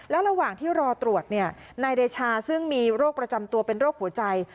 แล้วระหว่างที่รอตรวจนายเดชาซึ่งมีโรคประจำตัวเป็นโรคหัวใจ